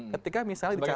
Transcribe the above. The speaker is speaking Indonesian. ketika misalnya dicatat